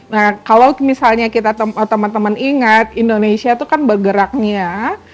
nah kalau misalnya kita teman teman ingat indonesia itu kan bergeraknya